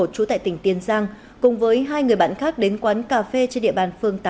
trú tại tỉnh tiền giang cùng với hai người bạn khác đến quán cà phê trên địa bàn phường tám